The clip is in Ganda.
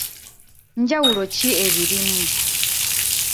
Njawulo ki ebirimu?